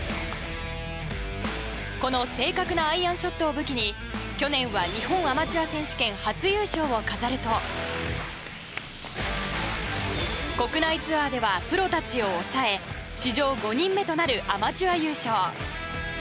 この正確なアイアンショットを武器に去年は、日本アマチュア選手権初優勝を飾ると国内ツアーではプロたちを抑え史上５人目となるアマチュア優勝。